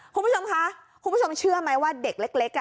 คุณผู้ชมคะคุณผู้ชมเชื่อไหมว่าเด็กเล็ก